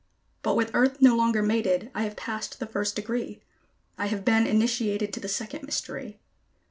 But with Earth no longer mated, I have passed the First Degree; I have been initiated to the second mystery.